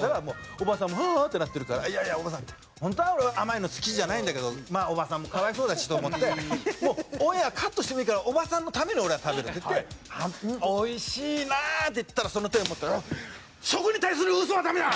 だからもうおばさんも「ああ」ってなってるからいやいやおばさんホントは俺は甘いの好きじゃないんだけどまあおばさんもかわいそうだしと思ってもうオンエアカットしてもいいからおばさんのために俺は食べるっていって「美味しいな」って言ったらその手を持って「食に対するウソはダメだ！」。